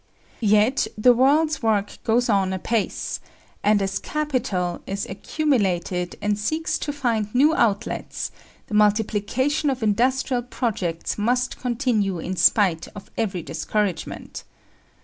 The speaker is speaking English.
Yet the world's work goes on apace; and as capital is accumulated and seeks to find new outlets the multiplication of industrial projects must continue in spite of every discouragement.